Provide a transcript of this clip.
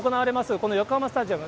この横浜スタジアム。